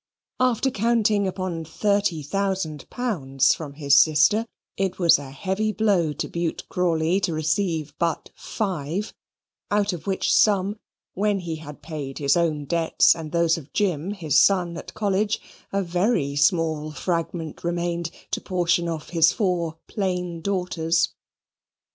After counting upon thirty thousand pounds from his sister, it was a heavy blow to Bute Crawley to receive but five; out of which sum, when he had paid his own debts and those of Jim, his son at college, a very small fragment remained to portion off his four plain daughters.